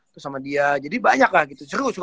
terus sama dia jadi banyak lah gitu seru seru